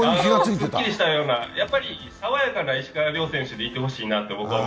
すっきりしたような、やっぱりさわやかな石川遼君でいてほしいなと。